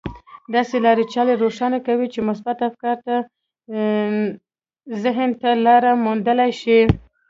داسې لارې چارې روښانه کوي چې مثبت افکار ذهن ته لاره موندلای شي.